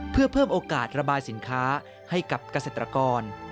เพื่อเพิ่มโอกาสระบายสินค้าให้กับเกษตรกร